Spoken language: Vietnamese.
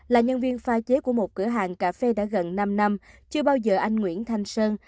là nhân viên pha chế của một cửa hàng cà phê đã gần năm năm chưa bao giờ anh nguyễn thanh sơn